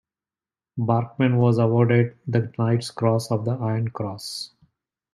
Barkmann was awarded the Knight's Cross of the Iron Cross.